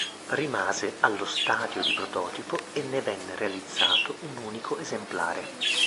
Rimase allo stadio di prototipo e ne venne realizzato un unico esemplare.